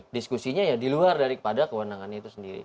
jadi diskusinya ya di luar daripada kewenangannya itu sendiri